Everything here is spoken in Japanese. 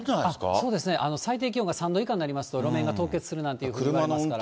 そうですね、最低気温が３度以下になりますと、路面が凍結するなんていうこともありますから。